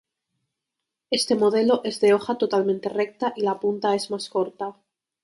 Este modelo es de hoja totalmente recta, y la punta es más corta.